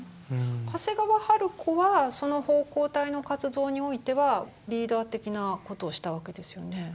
長谷川春子はその奉公隊の活動においてはリーダー的なことをしたわけですよね。